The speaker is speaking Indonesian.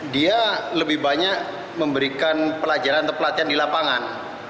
dia lebih banyak memberikan pelajaran atau pelatihan di lapangan